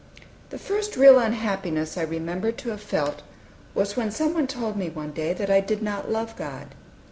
The first real unhappiness I remember to have felt was when some one told me, one day, that I did not love God.